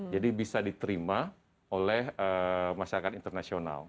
jadi bisa diterima oleh masyarakat internasional